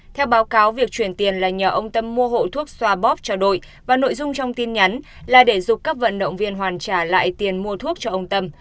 theo báo cáo việc chuyển tiền là nhờ ông tâm mua hộ thuốc xoa bóp cho đội và nội dung trong tin nhắn là để giúp các vận động viên hoàn trả lại tiền mua thuốc cho ông tâm